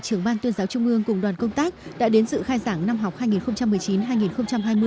trường ban tuyên giáo trung mương cùng đoàn công tác đã đến sự khai giảng năm học hai nghìn một mươi chín hai nghìn hai mươi